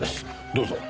どうぞ。